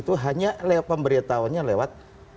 itu hanya pemberitahunya lewat